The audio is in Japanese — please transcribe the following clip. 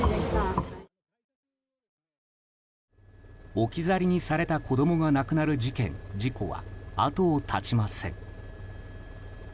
置き去りにされた子供が亡くなる事件・事故は後を絶ちません。